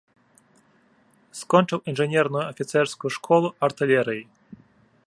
Скочыў інжынерную афіцэрскую школу артылерыі.